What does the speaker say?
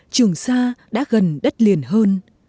trường xa đã gần đất liền hơn